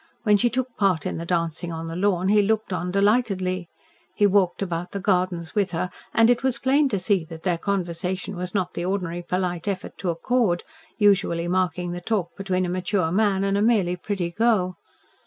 When she took part in the dancing on the lawn, he looked on delightedly. He walked about the gardens with her, and it was plain to see that their conversation was not the ordinary polite effort to accord, usually marking the talk between a mature man and a merely pretty girl.